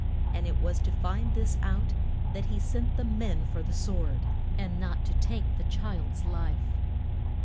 And it was to find this out that he sent the men for the sword, and not to take the child's life.